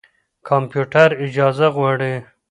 کمپيوټر اجازه غواړي.